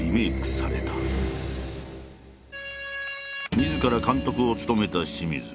みずから監督を務めた清水。